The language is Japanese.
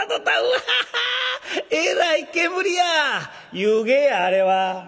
「湯気やあれは。